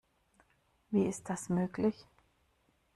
Wie ist das möglich?